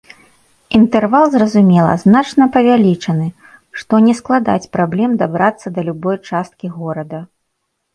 Інтэрвал, зразумела, значна павялічаны, што не складаць праблем дабрацца да любой часткі горада.